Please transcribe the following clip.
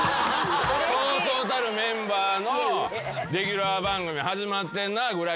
そうそうたるメンバーのレギュラー番組始まってんなぁぐらいですわ。